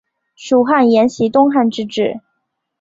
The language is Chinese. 蜀汉沿袭东汉之制。